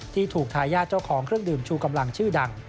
ที่ถูกทายาทเจ้าของเครื่องดื่มชูกำลังชื่อดัง